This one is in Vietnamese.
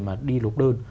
mà đi lục đơn